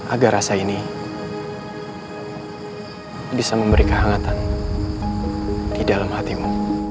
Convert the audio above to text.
agar rasa ini bisa memberi kehangatan di dalam hatimu